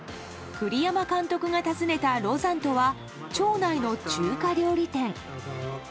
栗山監督が訪ねた廬山とは町内の中華料理店。